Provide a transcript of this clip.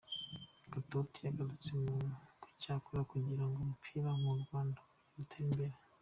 Katauti yagarutse ku cyakorwa kugira ngo umupira mu Rwanda wongere gutera imbere.